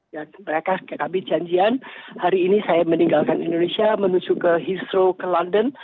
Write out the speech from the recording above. dan kami janjian hari ini saya meninggalkan indonesia menuju ke heathrow ke london